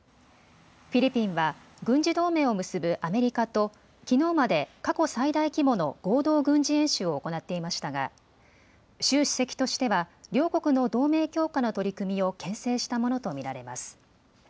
フィリピンは軍事同盟を結ぶアメリカときのうまで過去最大規模の合同軍事演習を行っていましたが習主席としては両国の同盟強化の取り組みをけん制したものと見られます。